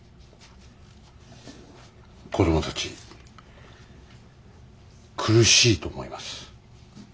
子供たち苦しいと思います。